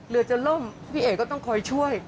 เรือจะล่มพี่เอกก็ต้องคอยช่วย